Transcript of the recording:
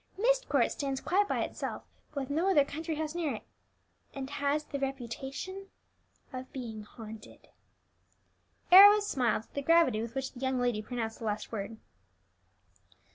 Myst Court stands quite by itself, with no other country house near it, and has the reputation of being haunted." Arrows smiled at the gravity with which the young lady pronounced the last word.